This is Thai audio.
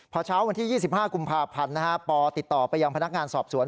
พอเช้าวันที่๒๕กุมภาพันธ์ปติดต่อไปยังพนักงานสอบสวน